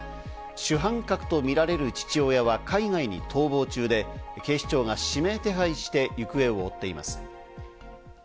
主犯格とみられる父親は海外に逃亡中で警視庁が指名手配して行方を追っています。